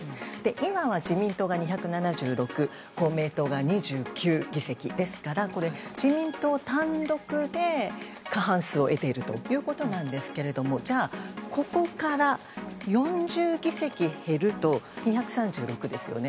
今は自民党が２７６公明党が２９議席ですから自民党単独で過半数を得ているということなんですけどじゃあ、ここから４０議席減ると２３６ですよね。